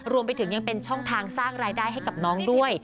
รวมไปถึงยังเป็นช่องทางสร้างรายได้ให้กับน้องด้วย